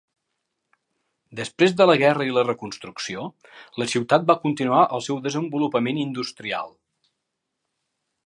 Després de la guerra i la reconstrucció, la ciutat va continuar el seu desenvolupament industrial.